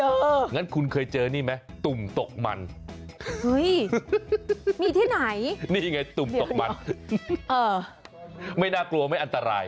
งั้นคุณเคยเจอนี่ไหมตุ่มตกมันเฮ้ยมีที่ไหนนี่ไงตุ่มตกมันไม่น่ากลัวไม่อันตราย